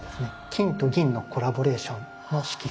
金と銀のコラボレーションの色彩。